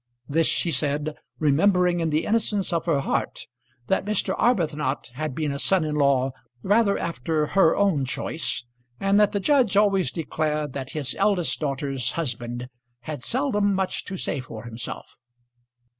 This she said, remembering in the innocence of her heart that Mr. Arbuthnot had been a son in law rather after her own choice, and that the judge always declared that his eldest daughter's husband had seldom much to say for himself.